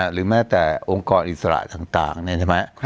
หรือแม้แต่องค์กรอิสระต่างเนี่ยใช่ไหม